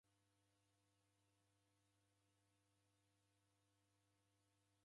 Serikali yalombelo izighane ijo ilagho.